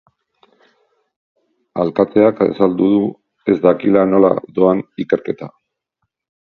Alkateak azaldu du ez dakiela nola doan ikerketa.